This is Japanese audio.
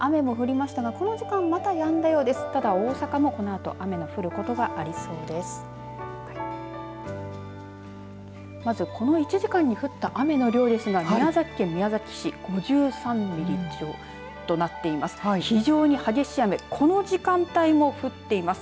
まずこの１時間に降った雨の量ですが、宮崎県宮崎市５３ミリとなっています。